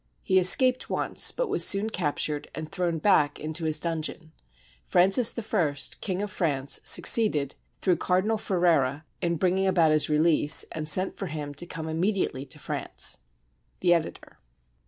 He escaped once, but was soon captured and thrown back into his dungeon, Francis I, King of France, succeeded, through Cardinal Ferrara, in bringing about his release, and sent for him to come immediately to France. The Editor.